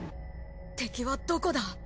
敵はどこだ？